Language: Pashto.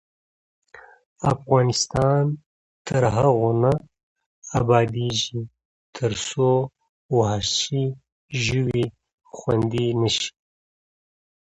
افغانستان تر هغو نه ابادیږي، ترڅو وحشي ژوي خوندي نشي.